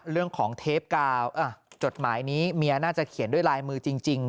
เรื่องของเทปกาอ่ะจดหมายนี้เมียน่าจะเขียนด้วยลายมือจริงจริง